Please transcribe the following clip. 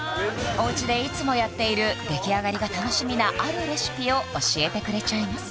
おうちでいつもやっている出来上がりが楽しみなあるレシピを教えてくれちゃいます